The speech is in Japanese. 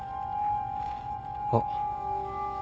あっ。